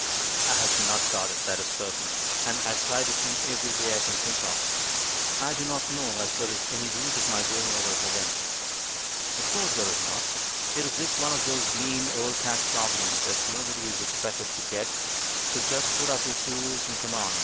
"I have not got it, that is certain; and I have tried it in every way I can think of. I do not know as there is any use of my going over it again." "Of course there is not! It is just one of those mean old catch problems that nobody is expected to get So just put up your tools, and come on.